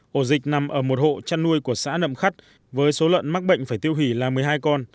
ổ dịch nằm ở một hộ chăn nuôi của xã nậm khắt với số lợn mắc bệnh phải tiêu hủy là một mươi hai con